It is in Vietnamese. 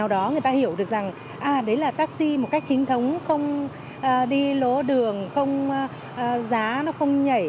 được rằng à đấy là taxi một cách chính thống không đi lố đường không giá nó không nhảy